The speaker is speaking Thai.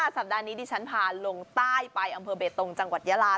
สัปดาห์นี้ดิฉันพาลงใต้ไปอำเภอเบตงจังหวัดยาลา